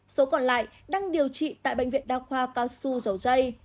số còn lại đang điều trị tại bệnh viện đa khoa cao xu dầu dây